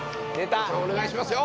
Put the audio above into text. お願いしますよ